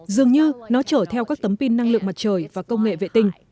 dường như nó chở theo các tấm pin năng lượng mặt trời và công nghệ vệ tinh